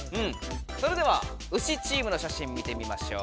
それではウシチームの写真見てみましょう。